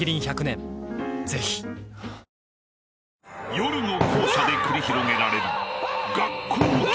［夜の校舎で繰り広げられる］